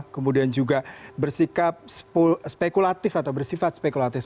kemudian juga bersikap spekulatif atau bersifat spekulatif